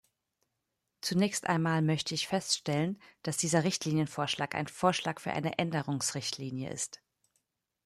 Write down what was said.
Zunächst einmal möchte ich feststellen, dass dieser Richtlinienvorschlag ein Vorschlag für eine Änderungsrichtlinie ist.